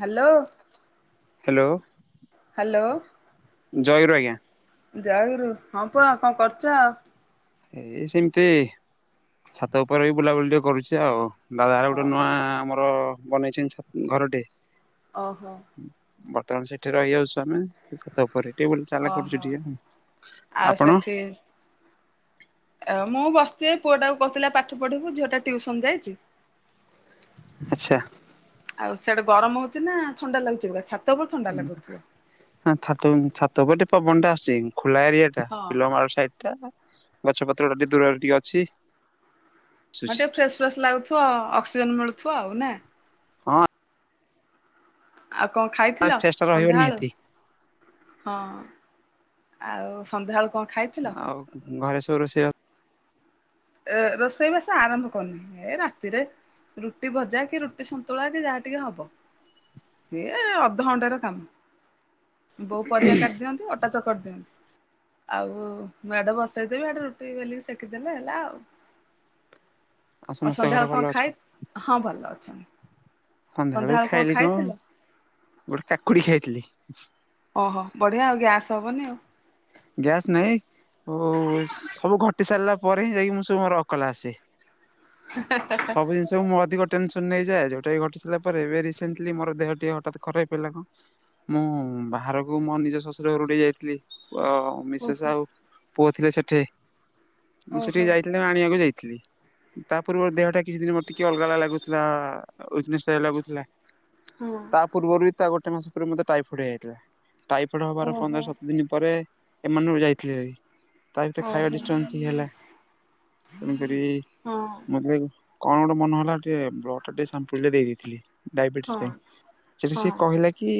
Hello. Hello. Hello. ଜୟଗୁରୁ ଆଜ୍ଞା। ଜୟଗୁରୁ, ହଁ ପୁଅ କଣ କରୁଚ? ଏଇ ସିମ୍ତି ଛାତ ଉପରେ [unintelligible] ବୁଲାବୁଲି ଟିକେ କରୁଚି ଆଉ। ଦାଦାଘର ଗୋଟେ ଓହୋ। ନୂଆ ଆମର ବନେଇଚନ୍ତି ଛା ଘରଟେ। ଓହୋ। ବର୍ତ୍ତମାନ୍ ସେଇଠି ରହିଯାଉଛୁ ଆମେ। ଛାତ ଉପରେ ଟିକେ ବୁଲି ଚାଲା କରୁଚି ଓହୋ ଟିକେ, ଆଉ ଆପଣ? ଆ ମୁଁ ବସ୍ଚି ଏ ପୁଅଟାକୁ କହୁଥିଲି ଆ ପାଠ ପଢିବୁ, ଝିଅଟା ଟିଉସନ୍ ଯାଇଚି। ଆଚ୍ଛା। ଆଉ ସିଆଡେ ଗରମ ହଉଚି ନା ଥଣ୍ଡା ଲାଗୁଚି ପୁରା ଛା ହଁ ଛାତ-ଛାତ ଉପରେ ଟିକେ ପବନଟା ଆସୁଚି। ଖୋଲା ଏରିଆ ଟା ହଁ। ବିଲମାଳ ସାଇଡ ଟା, ଗଛ ପତ୍ର ଟା ଟିକେ ଦୂରରେ ଟିକେ ଅଛି। ହଁ ଆସୁଛି ଟିକେ ଫ୍ରେସ୍-ଫ୍ରେସ୍ ଲାଗୁଥିବ, ଅକ୍ସିଜେନ୍ ମିଳୁଥିବ ଆଉ ନା। ହଁ ଆଉ କଣ ଖାଇଥିଲ ଫ୍ରେସ୍ ଟା ରହିବ ସନ୍ଧ୍ୟାବେଳୁ? ନିହାତି ହଁ ଆଉ ସନ୍ଧ୍ୟାବେଳୁ କଣ ଖାଇଥିଲ? ଆଉ ଘରେ ସବୁ ରୋଷେଇ ବାସ ଏ ରୋଷେଇବାସ ଆରମ୍ଭ କରିନି, ଏ ରାତିରେ ରୁଟି ଭଜା କି ରୁଟି ସନ୍ତୁଳା କି ଯାହା ଟିକେ ହବ। ସିଏ ଅଧଘଣ୍ଟାର କାମ, ବୋଉ ପରିବା କାଟିିଦିଅନ୍ତି ଅଟା ଚକଟି ଦିଅନ୍ତି, ଆଉ ମୁଁ ଇଆଡ଼େ ବସେଇଦବି ଆଡେ ରୁଟି ବୋଲିକି ସେକିଦେଲେ ହେଲା ଆଉ। ଆଉ ସମସ୍ତେ ଘରେ ସନ୍ଧ୍ୟାବେଳ ଭଲ କଣ ଅଛନ୍ତି ଖାଇ, ହଁ ଭଲ ଅଛନ୍ତି। ସନ୍ଧ୍ୟାବେଳୁକୁ ସନ୍ଧ୍ୟାବେଳେ ଖାଇଲି କଣ, ଖାଇଥିଲ ଗୋଟେ କାକୁଡି ଖାଇଥିଲି। ଓହୋ ବଢ଼ିଆ ଆଉ, ଗ୍ୟାସ୍ ହବନି ଆଉ। ଗ୍ୟାସ୍ ନାଇଁ? ଓ ସବୁ ଘଟି ସାରିଲା ପରେ ହିଁ ଯାଇକି ମୁଁ ସବୁ ମୋର ଅକଲ ଆସେ। ସବୁ ଉଇକସ୍। ମୁଁ ଅଧିକ ଟେନସନ ନେଇଯାଏ ଯୋଉଟା ଘଟି ସାରିଲା ପରେ ଏବେ ରିସେଣ୍ଟଲି ମୋର ଦେହ ଟିଏ ହଠାତ୍ ଖରାପ ହେଲା କଣ। ମୁଁ ବାହାରକୁ ମୋ ନିଜ ଶ୍ୱଶୁର ଘରୁକୁ ଟିକେ ଯାଇଥିଲି। ଓ ହୋ ମିସେସ୍ ଓହୋ ଆଉ ପୁଅ ଥିଲେ ସେଠି ମୁଁ ଓହୋ ସେଠିକି ଯାଇଥିଲି। ଆଣିବାକୁ ଯାଇଥିଲି। ତାପୂର୍ବରୁ ଦେହ ଟା କିଛି ଦିନ ମତେ ଟିକେ ଅଲଗା ଅଲଗା ଲାଗୁଥିଲା ୱିକନେସ୍ ଲାଗୁଥିଲା। ହୁଁ। ତା ପୂର୍ବରୁ ବି ତା ଗୋଟେ ମାସ ପରେ ଟାଇଫଏଡ ହେଇଯାଇଥିଲା ଟାଇଫୋଏଡ ହବାର ଓହୋ ପନ୍ଦର ସତର ଦିନି ପରେ ଏମାନରୁ ଯାଇଥିଲି ଭାରି ତା ଭିତରେ ଖାଇବା ଓହୋ ଡିଷ୍ଟାନ୍ସ ହେଲା। ତେଣୁ କରି ହଁ ମତେ କଣ ଗୋଟେ ମନେ ହେଲା ଟିକେ ବ୍ଲଡ ଟିକେ ସମ୍ପଲ୍ ଦେଇେ ଦେଇଥିଲି। ହଁ ଡାଇବେଟିସ ପାଇଁ ସେଠି ହଁ ସେଏ କହିଲା କି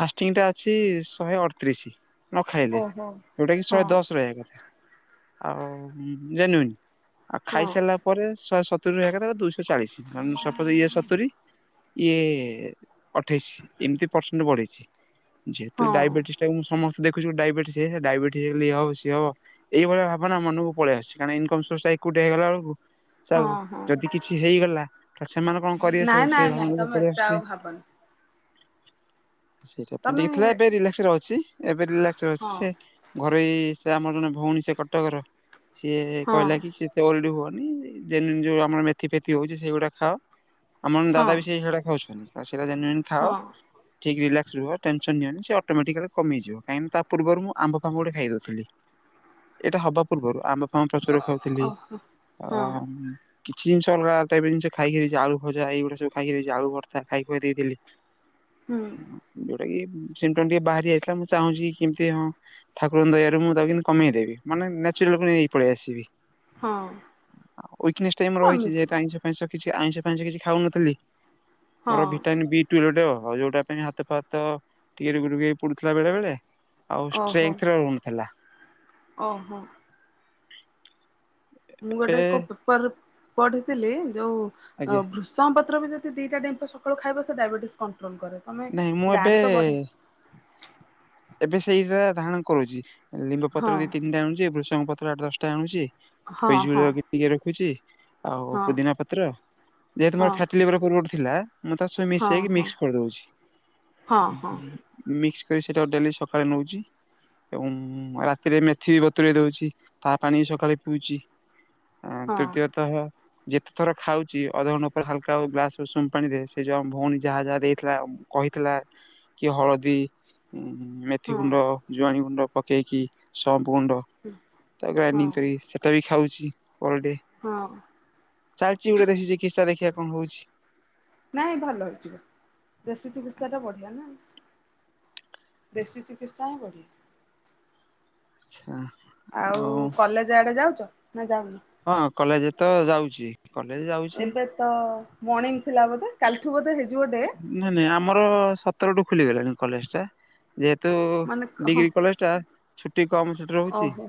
ଫାଷ୍ଟିଂଟା ଅଛି ଶହେ ଅଠତିରିଶି। ନ ଖାଇଲେ ଓହୋ ଯୋଉଟା କି ହଁ ଶହେ ଦଶ ରହିବା କଥା ଆଉ ଜେନଉଇନ୍। ଆଉ ହଁ ଖାଇସାରିଲା ପରେ ଶହେ ସତୁରି ରହିବା କଥା ଦୁଇଶହ ଚାଳିଶ ମାନ ଇଏ ସତୁରୀ ଇଏ ଅଠେଇଶି ଏମିତି ପରସେଣ୍ଟ ବଢିଛି। ଯେହେତୁ, ହଁ ଡାଇବେଟିସ୍ ଟା ମୁଁ ସମସ୍ତେ ଦେଖୁଚ ଡାଇବେଟିସ, ଡାଇବେଟିସ ହେଲେ ଇଏ ହବ ସିଏ ହବ ଏଇଭଳିଆ ଭାବନା ମନକୁ ପଳାଇ ଆସଛି। କାରଣ ଇନକମ ସୋର୍ସା ଏକୁଟିଥା ହେଇଗଲା ବେଳକୁ ଆଉ ହଁ ହଁ ଯଦି କିଛି ହେଇଗଲା, ତାହଲେ ସେମାନେ କଣ ନାଇଁ କରିବେସବୁ ସେ ନାଇଁ ଭାବନା ନାଇଁ ମନକୁ ତମେ ପଳାଇ ଏତେ ଆଉ ଆସୁଛି। ଭାବନି ସେସ୍ୱପ୍ନ ତମେ ଟିକେ ଥିଲା ଏବେରିଲାକ୍ସରେ ଅଛି, ଏବେରିଲାକ୍ସ ହଁ ଅଛିସେ ଘରେ ସେ ଆମର ଜଣେ ଭଉଣୀ ସେ କଟକର, ସିଏ ହଁ କହିଲା କି ସେ ଓରିଡି ହୁଅନି, ଜେଲୁନ୍ ଯେଉଁ ଆମର ମେଥି ଫେଥି ହେଉଛି ସେଇଗୁଡ଼ା ଖାଅ ଆମର ଦାଦା ହଁ ବି ସେଇ ସେଟା ଖାଉଛନ୍ତି, ସେଟା ଜେନିନି ଖାଅ ହଁ ଠିକ ରିଲାକ୍ସ ରୁହ, ଟେନସନ୍ ନିଅନି, ସେ ଅଟୋମେଟିକାଲ କମିଯିବ। କାହିଁକି ନା, ତା ପୂର୍ବରୁ ମୁଁ ଆମ୍ବ ଫାମ୍ୱ ଗୁଡେ ଖାଇଦଉଥିଲି, ଏଇଟା ହବା ପୂର୍ବରୁ ଆମ୍ବ ଫାମ୍ୱ ପ୍ରଚୁର ଖାଉଥିଲି। ଓହୋ ଆ ହଁ କିଛି ଜିନଷ ଅଲଗା ଟାଇପର ଜିନିଷ ଖାଇକି ଦେଇଛି, ଆଳୁଭଜା ଏଇଗୁଡା ସବୁ ଖାଇକି ଦେଇଛି, ଆଳୁଭତ୍ତା ଖାଇ ଖୁଆ ଦେଇଥିଲି। ହ [unintelligible] ଯୋଉଟା କି ଟିକେ ବାହାରି ଯାଇଥିଲା, ମୁଁ ଚାହୁଁଛି କେମିତି ହଁ ଠାକୁଙ୍କ ଦୟାାରୁ ମୁଁ ତାକୁ କିନ୍ତୁ କମେଇ ଦେବି, ମାନେ ନେଚୁରାଲକୁ ନେଇପଳେଇ ଆସିବି। ହଁ ଉ ଇକେନେସ ଟାଇମ ରହିଛି, ଯେହେତୁ କମିଯିବ ଆଇଁଷ ଆଇଁଷ କିଛି ଆଇଁଷ ଫାଇଁଷ କିଛି ଖାଉନଥିଲି, ହଁ ମୋର ଭିଟାମନ୍ ବି [unintelligible] ଯୋଉଟା ପାଇଁ ହାତଫାତ ଟିକେ ଟେ ଟେ ପଡୁଥିଲା ବେଳେ ବେଳେ। ଆଉ ଓହୋ ଷ୍ଟ୍ରେଥ ର ରଣ ଥିଲା। ଓହୋ। ମୁଁ ଗୋଟେ ଏବେ ଏକ ପେପର ପଢିଥିଲି, ଯୋଉ ଆଜ୍ଞା ଭୃଷଙ୍ଗ ପତ୍ର ବିଯ ଦିଟା ଜିନିଷ ସକାଳୁ ଖାଇବ ସେ ଡାଇବେଟିସ୍ କଣ୍ଟ୍ରୋଲ କରେ। ତମେ ନାଇଁ ମୁଁ ଏବେ ଗାଁରେ ତ ବଢ଼େ ଏବେ ସେଇଟା ଧାରଣ କରୁଛି ହଁ ଲିମ୍ବପତ୍ର ଦି ତିନିଟା ଆଣୁଛି ବୃଷଙ୍ଗପତ୍ର ଆଠେଦଶଟା ଆଣୁଛି ହଁ ପଜୁଳି ହଁ ବାକିଟିକେ ରଖୁଛି। ଆଉ ହଁ ପୁଦିନାପତ୍ର। ଯେ ତମର ହଁ ଥାଟୀ ଲିବର ପୂର୍ବୁରୁ ଥିଲା ମୁଁ ତା ସ ମିଶକି ହଁ ମିକ୍ସ କରିଦଉଛିି। ହଁ ହଁ ହଁ ମିକ୍ସ କରିସା ମୁଁ ତାକ୍ତ ଡେଲି ସକାଳେ ନଉଛି। ଉଁ ରାତିରେ ମେଥିବତୁୁରେ ଦଉଛି। ତାହା ପାଣି ବି ସକାଳେ ପିଉଛି। ହଁ ତୃତୀୟତଃ ଯେତେ ଥର ଖାଉଛି ଅଧଘଣ୍ଟା ଉପରେ ହାଲକା ଗ୍ଲାସ ଉଷୁମ ପାଣି ରେ ସେ ଯୋଉ ଭଉଣୀ ଯାହା ଯାହା ଦେଇଥିଲା କହିଥିଲା କି ହଳଦୀ ଉ ମେଥିଗୁଣ୍ଡ ହଁ ଜୁଆଣୀଗୁଣ୍ଡ ପକେଇକି ସମ୍ପଗୁଣ୍ଡ ତାକୁ ହଁ ଗ୍ରାଇଣ୍ଡିକରି ସେଟା ବି ଖାଉଛି ଆଲେଡେ। ହଁ ଚାଲିଛି ଗୋଟେ ଦେଶୀ ଚିକିତ୍ସା, ଦେଖିବା କଣ ହଉଛି? ନାଇଁ ଭଲ ହେଇଯିବ ଦେଶୀ ଚିକିତ୍ସାଟା ବଢିଆ ନା। ଦେଶୀ ଚିକିତ୍ସା ହଁ ବଢ଼ିବ। ଛା ଆଉ କଲେଜ ଆଡେ ଯାଉଚ ନା ଯାଉନ? ହଁ କଲେଜତ ଯାଉଛି କଲେଜ ଯାଉଛି ଏବେ ତ ମର୍ଣ୍ଣିଂ ଥିଲା ବୋଧେ। କାଲିଠୁ ବୋଧେ ହେଇଯିବ ଡେ। ନାଇଁ ନାଇଁ ଆମର ସତରଠୁ ଖୋଲିଗଲାଣି କଲେଜଟା। ଯେହେତୁ ମାନେ ହଁ। ଡିଗ୍ରୀ କଲେଜ ଟା ଛୁଟି କମ ସେଠି ରହୁଛି। ଓହୋ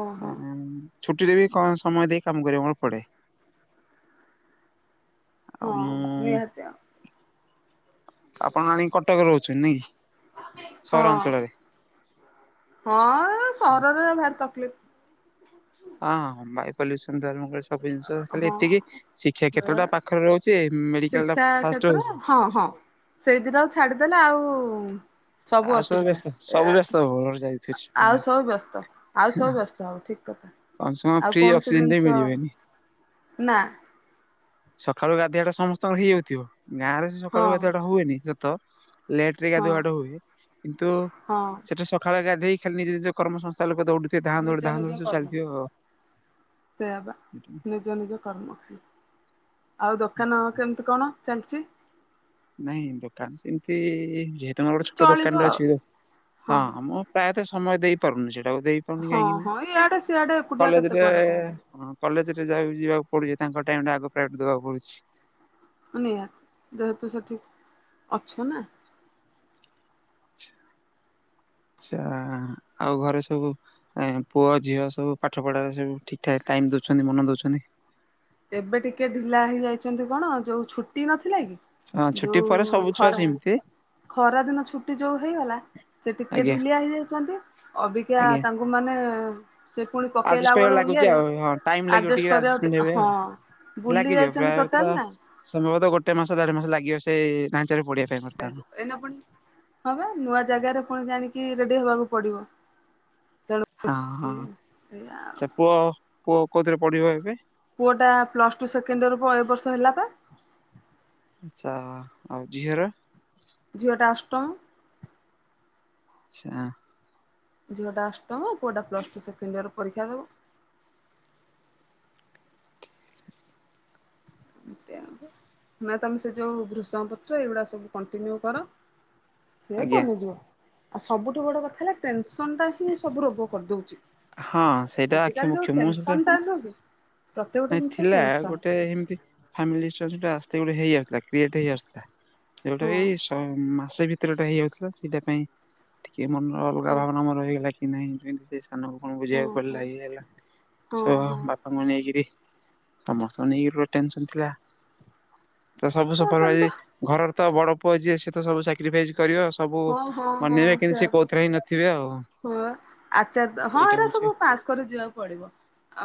ଓହୋ ଆମ୍ ଛୁଟିରେ ବି କଣ ସମୟ ଦେଇ କାମ କରିବାକୁର ପଡେ। ଆଉ ହଁ ମୁଁ ନିହାତି ଆ ଆପଣ ଆଣିକି କଟକରେ ରହୁଛନ୍ତି ନାଇକି? ହଁ ହଁ ସହରରେ ଭାରି ତକଲିଫ। ହଁ ହଁ ବାଇ ପଲ୍ୟୁସନ୍ ଧାର କର ସବ୍ ସବୁ ଜିନିଷ। ଖାଲି ହଁ। ଏତିକି ଶିକ୍ଷା ଏ କେତଟା ପାଖରେ ରହୁଛି ମେଡିକାଲଟା ଶିକ୍ଷା ଫାଷ୍ଟ କ୍ଷେତ୍ର ରହୁଛି। ହଁ ହଁ ସେଇଦିନ ଆଉ ଛାଡିଦେଲା ଆଉ ସବୁ ଆଉ ଅସୁବିଧା। ବ୍ୟସ୍ତ ଏ ସବୁ ବ୍ୟସ୍ତ ବହୁଳ ଯାଇଥିଛି ତମେ ଆଉ ସବୁ ବ୍ୟସ୍ତ ଆଉ ସବୁ ବ୍ୟସ୍ତ ହବ ଠିକ କଥା। କମ ସେ କମ ଆଉ ଫ୍ରି କୌଣସି ଅକ୍ସିଜେନ ଟେ ଜିନିଷ ମିଳିବନି। ନା। ସକାଳୁ ଗାଧୋଇଆବା ଟା ସମସ୍ତଙ୍କର ହେଇଯାଉଥିବ ଗାଁରେ ହଁ ସକାଳୁ ଗାଧୁଆ ଟା ହଏନି ସତ। ଲେଟ ରେ ହଁ ଗାଧୁଆଟ ହୁଏ କିନ୍ତୁ ହଁ ସେଟା ସକାଳେ ଗାଧୋଇ ଖାଲି ନିଜ ନିଜ କର୍ମ ସଂସ୍ଥା ଲୋକ ଦ ସେ ଧାଁ ଦୌଡ ନିଜ ଧା ଦଡ ନିଜ ସବୁ କର୍ମ ଚାଲିଥିବ ଆ ସେଇଆ ବା ସେ ନିଜ ନିଜ କର୍ମ। ଆଉ ଦୋକାନ ଆଛା କେମିତି କଣ ଚାଲିଛି? ନାଇଁ ଦୋକାନ ସେମିତି ଯେହେତୁ ମର ଗୋଟେ ଛୋଟ ଚଳିବ ଦୋକାନରେ ଆଉ ଅଛି ହଁ ଆମ ପ୍ରାୟତଃ ସମୟ ଦେଇପାରୁନି। ସେଟାକୁ ଦେଇପାରୁନି ହଁ କାହିଁକି ନା ହଁ ଇଆଡେ ସିଆଡେ ଏକୁଟିଆ କେତେ କଲେଜରେ କୁଆଡେ କଣ କରିବ କଲେଜ ରେ ଯକୁ ଯିବାକୁ ପଡୁଛି ତାଙ୍କ ଟାଇମ ଆଗ ପ୍ରାଇଭେଟ ଦେବାକୁ ପଡୁଛି। ନିହାତି ଦେହେତୁ ସେଠିକ ଅଛ ନା ଆଛା, ଆଉ ଘରେ ସବୁ ଏ ପୁଅ ଝିଅ ସବୁ ପାଠ ପଢାରେ ସବୁ ଠିକ ଠାକ ଟାଇମ ଦଉଛନ୍ତି ମନ ଦଉଛନ୍ତି। ଏବେ ଟିକେ ଢିଲା ହେଇଯାଇଛନ୍ତି କଣ ଯୋଉ ଛୁଟି ନଥିଲା କି? ହଁ ଛୁଟି ପରେ ଯୋଉ ସବୁ ଛୁଆ ଖରା ସେମିତି ଖରା ଦିନ ଛୁଟି ଯୋଉ ହେଇଗଲା ସେ ଟିକେ ଆଜ୍ଞା ଢିଲିଆ ହେଇଯାଇଛନ୍ତି। ଅବିକା ଆଜ୍ଞା। ତା ମାନେ ସେ ପୁଣି ଆଡଜଷ୍ଟ ପକେଇଲା କରିବାକୁ ବେଳୁ ଲାଗୁଛି ଇଏରେ ଆଉ ହଁ ଟାଇମ ଲାଗିବ ଆଡଜଷ୍ଟ ଟିକେ ଆଡଜଷ୍ଟମେଣ୍ଟ ହେବେ କରିବାକୁ ଆଉ ହଁ ବୁଲି ଯାଇଛନ୍ତି ଟୋଟାଲ ନା ସମୟବ ତ ଗୋଟେ ମାସ ଦେଢ ମାସ ଲାଗିବ ସେଇ ଢାଞ୍ଚରେ ପଡିବା ପାଁଇ। ଏଇ ପୁଣି ହ ନୂଆ ଜାଗାରେ ପୁଣି ଜାଣିକି ରେଡି ହବାକୁ ପଡିବ। ହଁ ହଁ, ଏଇଆ ଆଉ ଆଚ୍ଛା ପୁଅ ପୁଅ କୋଉଥିରେ ପଢିବ ଏବେ? ପୁଅ ଟା ପ୍ଲସ ଟୁ ସେକେଣ୍ଡ ର ଏ ବର୍ଷ ହେଲା ପା। ଚାହା ଆଉ ଝିଅର? ଝିଅଟା ଅଷ୍ଟମ ଚା ଝିଅଟା ଅଷ୍ଟମ ପୁଅଟା ପ୍ଲସ୍ ଟୁ ସେକେଣ୍ଡ ଇୟରରେୀକ୍ଷା ଦେବ। ଏମିତି ଆଉ ନା ତମେ ସେ ଯୋଉ ଭୃଷମ ପତ୍ର ଏଇଗୁଡା ସବୁ କଣ୍ଟିନ୍ୟୁ କର, ସିଏ ଆଜ୍ଞା କମିଯିବ। ଆଉ ସବୁଠୁ ବଡ କଥା ହେଲା ଟେନସନ ଟା ହିଁ ସବୁ ରୋଗ କରିଦଉଚି। ହଁ ସେଇଟା ଆକ୍ଷି ମୁଖ ମୁଁ ସେଟା ଟା ନୁହଁ କି ପ୍ରତ୍ୟେକ ଗୋଟେ ନାଇ ଜିନିଷ ଥିଲା ଟେନସନ। ଗୋଟେ ହେମିତି ଫ୍ୟାମିଲୀ [unintelligible] ର ଯୋଉଟା ଆସ୍ତିଙ୍ଗ ହେଇଯାଉଥିଲା କ୍ରିଏଟ ହେଇଆସୁଥିଲା ହଁ ଯୋଉଟାକି ମାସେ ଭିତରେ ଟା ହେଇଯାଉଥିଲା ସେଇଟା ପାଇଁ ଟିକେ ମନର ଅଲଗା ହଁ ଭାବନା ମୋର ହେଇଗଲାକି କି ନାହିଁ ଯେମତି ସେ ସାନକୁ କଣ ହଁ ବୁଝିବାକୁ ହଁ ପଡିଲା ଇଏ ହେଇ ହେଲା ହଁ ସ ହଁ ବାପାଙ୍କୁ ନେଇକିରି। ସମସ୍ତଙ୍କୁ ନେଇକିରି ଟେନସ ଥିଲା। ତ ସବୁ ହଁ ସୁପ୍ରର ସେମିତି ଭାଇ ଘରର ତ ବଡ ପୁଅ ଯିଏ ସେତ ସବୁ ସା ସକିରି ଭାଇଜି କରିବ ସବୁ ହଁ ହଁ ହଁ ମନେଇବେ କିନ୍ତୁ ସେୟା ସେ ପା। କଉଥିରେ ହିଁ ନଥିବେ ଆଉ। ହଁ ଆଚାର ହଁ ଏଇଟା ଏରା ହଉଛି ସବୁ ପାସ୍ କରି ଯିବାକୁ ପଡିବ।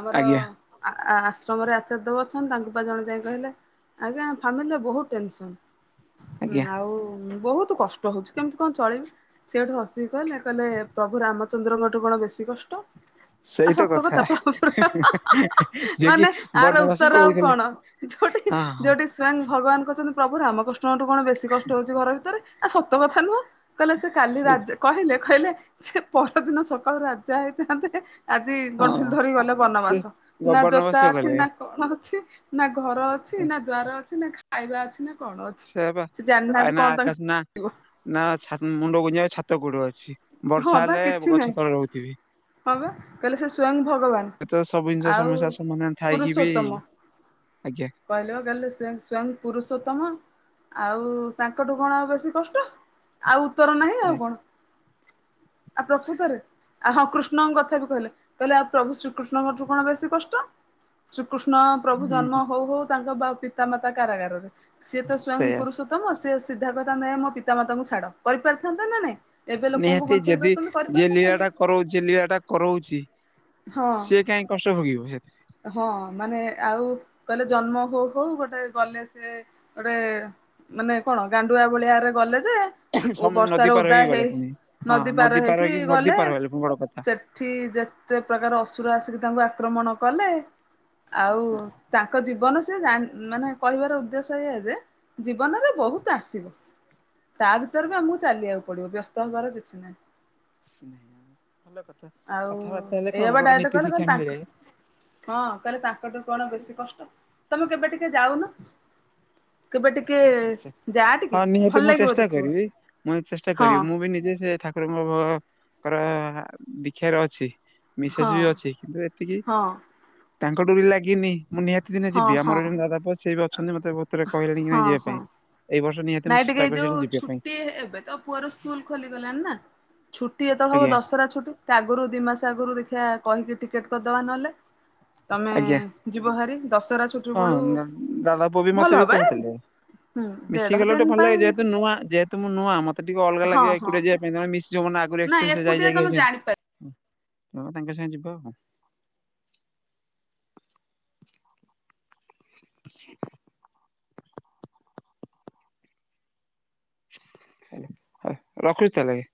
ଆମର ଆଜ୍ଞା ଆଶ୍ରମରେ ଆଚାର୍ଯ୍ୟ ଦେବ ଅଛନ୍ତି ତାଙ୍କୁ ପା ଜଣେ ଯାଇ କହିଲେ ଆଜ୍ଞା ଫାମିଲିର ବହୁତ ଆଜ୍ଞା ଟେନସନ ଆଉ। ବହୁତ କଷ୍ଟ ହଉଛି, କେମିତି କଣ ଚଳିବି? ସେ ହେଠୁ ହସିକି କହିଲେ କହିଲେ ପ୍ରଭୁ ରାମଚନ୍ଦ୍ରଙ୍କଠୁ କଣ ବେଶୀ କଷ୍ଟ? ଆ ସେଇତ ସତ କଥା ପ୍ରଭୁ ଯିଏ ମାନେ କି ଆର ଉତ୍ତର ବନବାସ ଆଉ କଣ? ପଳେଇଥିଲେ। ଯୋଉଠି ଅ ହଁ। ଯୋଉଠି ସ୍ଵୟଂ ଭଗବାନ କହୁଛନ୍ତି ପ୍ରଭୁ ରାମ କଷ୍ଟଙ୍କଠୁ କଣ ବେଶୀ କଷ୍ଟ ହଉଛି ଘର ଭିତରେ। ଆ ସତ କଥା ନୁହଁ କହିଲେ ସେ କାଲି ରାଜା କହିଲେ କହିଲେ ସେ ପରଦିନ ସକାଳୁ ରାଜା ହେଇଥାନ୍ତେ ଆଜି ଗଣ୍ଠୁଲ ହଁ ଧରି ଗଲେ ସେ ବନବାସ। ନା ଜୋତା ବନବାସ ଅଛି ଗଲେ ନା କଣ ଅଛି? ନା ଘର ଅଛି, ନା ଦ୍ୱାର ଅଛି, ନା ଖାଇବା ଅଛି, ନା କଣ ଅଛି ସେୟା ପା ସେ ଆ ଜାଣିିନାହାନ୍ତି ନା କଣ ତାଙ୍କ ଆକାଶ ନା ନା ଛା ମୁଣ୍ଡ ଗୁଜିବା ଛାତ କୋଟି ଅଛି ହଁ ବର୍ଷା ବା ହେଲେ କିଛି ନାହିଁ ଗଛ ତଳେ ରହୁଥିବେ। ହଁ ବା କହିଲେ ସେ ସ୍ଵୟଂ ଭଗବାନ୍। ଏତ ସବୁ ଜିନିଷ ସମସ୍ୟା ସମାଧାନ ଥାଇକି ବି, ପୁରୁଷୋତ୍ତମ। ଆଜ୍ଞା। କହିଲେ ପା କହିଲେ ସେଂ ସ୍ଵୟଂ ପୁରୁଷୋତ୍ତମ। ଆଉ-ଉ ତାଙ୍କଠୁ କଣ ଆଉ ବେଶୀ କଷ୍ଟ ଆଉ ଉତ୍ତର ନାହିଁ ଆଉ କଣ? ଆ ପ୍ରକୁତରେ ଆ ହଁ କୃଷ୍ଣଙ୍କ କଥା ବି କହିଲେ କହିଲେ ଆଉ ପ୍ରଭୁ ଶ୍ରୀକୃଷ୍ଣଙ୍କଠୁ କଣ ବେଶୀ କଷ୍ଟ? ଶ୍ରୀକୃଷ୍ଣ ପ୍ରଭୁ ଜନ୍ମ ହୁଁ ହୋଉ ହୋଉ ତାଙ୍କ ବା-ପିତାମାତା କାରାଗାରରେ ସିଏ ତ ସ୍ଵୟଂ ସେଇୟା ପୁରୁଷ ତମ ସିଏ ସିଧା କହିଥାନ୍ତେ ନାଇ ମୋ ପିତା ମାତାଙ୍କୁ ଛାଡ କରି ପାରିଥାନ୍ତା ନା ନାଇଁ ଏବେ ଲୋକଙ୍କୁ ନିହାତି ବଞ୍ଚେଇ ଯଦି ଦଉଛନ୍ତି ଯିଏ କରିପାରିନଥାନ୍ତେ ଲିଆଟା କରୋଉଚି ଲିଆଟା କରୋଉଚି ହଁ ସିଏ କାଇଁ କଷ୍ଟ ଭୋଗିବ ସେଥିରେ। ହଁ ମାନେ ଆଉ କଇଲେ ଜନ୍ମ ହୋଉ ହୋଉ ଗୋଟେ ଗଲେ ସେ ଗୋଟେ-ଏ ମାନେ କଣ ଗାଣ୍ଡୁଆ ଭଳିଆରେ ଗଲେ ଯେ ଓ ସେଥିରେ ନଦୀ ବର୍ଷାରେ ପାର ଓଦା ହେଇକି ଗଲେ ହେଇ ପୁଣି ହଁ ନଦୀ ପାର ହେଇକି ନଦୀ ଗଲେ, ପାର ହେଲେ ପୁଣି ବଡ କଥା। ସେ ସେଠି ଯେତେ ପ୍ରକାର ଅସୁର ଆସିକି ତାଙ୍କୁ ଆକ୍ରମଣ କଲେ। ଆଉ ତାଙ୍କ ଜୀବନ ସେ ଜାଣ୍ ମାନେ କହିବାର ଉଦ୍ଦେଶ୍ୟ ଏୟା ଯେ ଜୀବନରେ ବହୁତ ଆସିବ। ତା ଭିତରେ ବି ଆମକୁ ଚାଲିଆକୁ ପଡିବ ବ୍ୟସ୍ତ ହବାର କିଛି ନାହିଁ। ହୁଁ ଭଲ କଥା। ଆଉ କଥାବାର୍ତ୍ତା ହେଲେ କଣ ଏଇଆ ବା ଗୋଟେ ଗୋଟେ ଡାଇରେକ୍ଟ ନୀତି କଇଲେ ଶିକ୍ଷା କଇଲେ ତାଙ୍କୁ ମିଳିଯାଏ ହଁ କହିଲେ ତାଙ୍କର ବା କଣ ବେଶୀ କଷ୍ଟ ତମେ କେବେ ଟିକେ ଯାଉନ। କେବେ ଟିକେ ଯା ଟିକେ ହଁ ଭଲ ନିହାତି ମୁଁ ଲାଗିବ ଚେଷ୍ଟା ଦେଖିବ କରିବି ମୁଁ ଚେଷ୍ଟା ହଁ କରିବି ମୁଁ ବି ନିଜେ ସେ ଠା [unintelligible] ଦୀକ୍ଷା ରେ ଅଛି। ମିସେସ୍ ହଁ ବି ଅଛି କିନ୍ତୁ ଏତିକି ହଁ ତାଙ୍କ ଡୋରି ଲାଗିନି। ମୁଁ ନିହାତି ଦିନେ ହଁ ଯିବି ହଁ ଆମର [unintelligible] ଜଣେ ଦାଦା ପୁଅ ସିଏ ବି ଅଛନ୍ତି ମତେ ଭୋଉଥରେ କହିଲେଣି କି ନାଇଁ ହଁ ଯିବା ପାଇଁ ହଁ ଏଇ ବର୍ଷ ନିହା ନାଇଁ ଟିକେ ଏଇଯୋଉ ଛୁଟି ଏବେ ତ ପୁଅର ସ୍କୁଲ ଖୋଲିଗଲାଣି ନା ଛୁଟି ଏତଳେ ହବ ଆଜ୍ଞା ଦଶରା ଛୁଟି ତା ଆଗୁରୁ ଦି ମାସ ଆଗୁରୁ ଦେଖିଆ କହିକି ଟିକେଟ କରିଦବା ନହେଲେ ତମେ ଆଜ୍ଞା ଯିବହାରି ଦଶହରା ଛୁ ହଁ ନାଁ ଦାଦା ପୁଅ ବି ମତେ ବି ଏ କୋହୁଥିଲେ ହୁଁ ମିଶି କି ଦେଢ ଗଲେ ଗୋଟେ ଦିନ ପାଇଁ ଭଲଲାଗେ ଯେହେତୁ ନୂଆ ଯେହେତୁ ମୁଁ ନୂଆଁ ମତେ ଟିକେ ଅଲଗା ହଁ ଲାଗିବ ହଁ ଏକୁଟିଆ ଯିବା ପାଇଁ ତମେ ମିଶ୍ ଯିବ ନାଁ ପୁରୀ ନାଇଁ ଏକ୍ସପେନ୍ସରେ ଯାଇ ଏକୁଟିଆ ଯାଇକି ତମେ ଆଇଚନ୍ତି ଜାଣିପାରିବ ହଁ ତାଙ୍କ ସାଙ୍ଗେ ଯିବା ଆଉ। ରଖୁଛି ତାହେଲେ।